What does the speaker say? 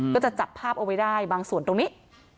ก็จะจับภาพเอาไว้ได้บางส่วนตรงนี้